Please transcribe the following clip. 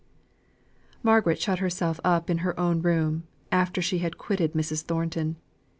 Margaret shut herself up in her own room, after she had quitted Mrs. Thornton.